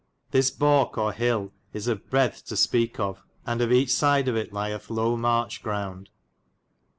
This balke or hille is of breadthe to speke of, and of eche syde of it lyethe low marche ground.